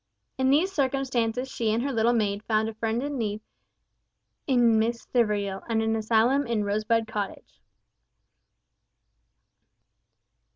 In these circumstances she and her little maid found a friend in need in Miss Stivergill, and an asylum in Rosebud Cottage.